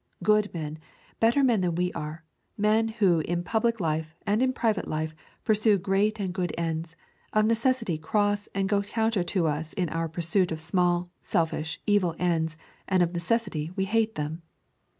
Good men, better men than we are, men who in public life and in private life pursue great and good ends, of necessity cross and go counter to us in our pursuit of small, selfish, evil ends, and of necessity we hate them.